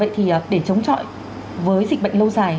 vậy thì để chống chọi với dịch bệnh lâu dài